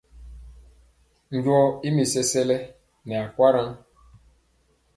Njɔo i mi sesele nɛ akwaŋ yen.